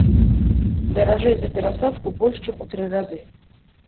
Даражэй за перасадку больш чым у тры разы!